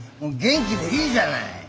元気でいいじゃない。